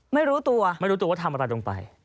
ไม่รู้ตัวไม่รู้ตัวว่าทำอะไรลงไป